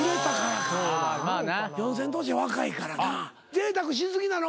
ぜいたくし過ぎなの？